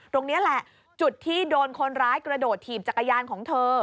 ตรงนี้แหละจุดที่โดนคนร้ายกระโดดถีบจักรยานของเธอ